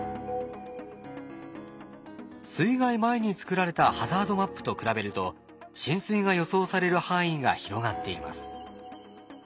水害前に作られたハザードマップと比べると浸水が予想される範囲が広がっています。